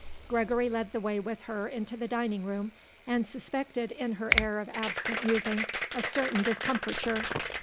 Gregory led the way with her into the dining room and suspected in her air of absent musing a certain discomfiture.